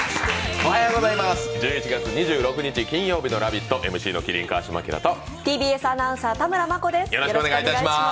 おはようございます、１１月２６日金曜日の「ラヴィット！」、ＭＣの麒麟・川島明とＴＢＳアナウンサー・田村真子です。